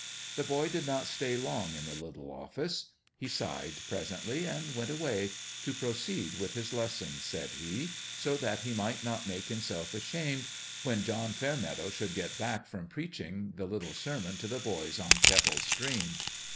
The boy did not stay long in the little office ; he sighed, presently, and went away, to proceed with his lessons, said he, so that he might not make himself ashamed when John Fairmeadow should get back from preaching the little sermon to the boys on Kettle Stream.